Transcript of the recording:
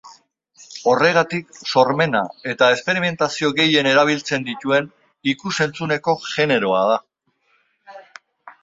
Horregatik, sormena eta esperimentazio gehien erabiltzen dituen ikus-entzuneko generoa da.